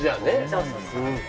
そうそうそう。